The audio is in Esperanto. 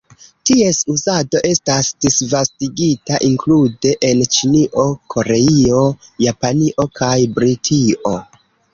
Ties uzado estas disvastigita, inklude en Ĉinio, Koreio, Japanio kaj Britio.